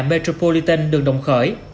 metropolitan đường đồng khởi